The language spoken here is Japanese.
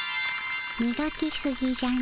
みがきすぎじゃの。